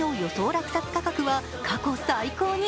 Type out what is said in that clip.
落札価格は過去最高に。